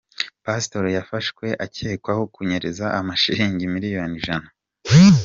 Pasitori yafashwe akekwaho kunyereza Amashilingi miliyoni ijana